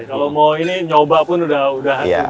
kalau mau ini nyoba pun udah harus bisa mengalami itu